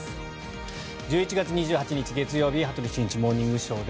１１月２８日、月曜日「羽鳥慎一モーニングショー」。